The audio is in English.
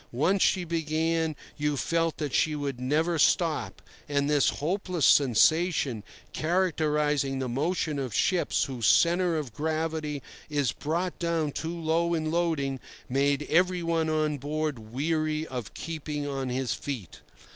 Once she began, you felt that she would never stop, and this hopeless sensation, characterizing the motion of ships whose centre of gravity is brought down too low in loading, made everyone on board weary of keeping on his feet.